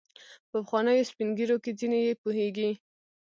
په پخوانیو سپین ږیرو کې ځینې یې پوهیږي.